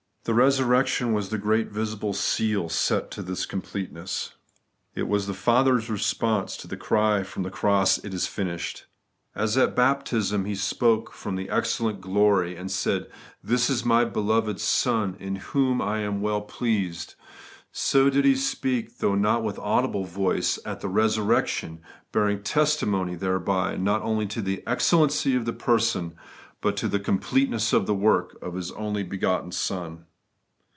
The resurrection was the great visible seal set to this completeness. It was the Father's response to the cry from the cross, 'It is finished.' As at baptism He spoke from the excellent glory, and said, ' This is my beloved Son, in whom I am well pleased ;' so did He speak, though not with audible voice, at the resurrection, bearing testimony thereby not only to the excellency of the Person, but to the completeness of the work of His only begotten Son.